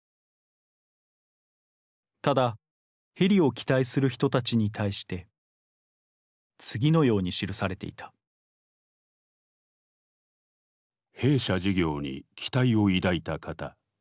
ただヘリを期待する人たちに対して次のように記されていた「弊社事業に期待を抱いた方。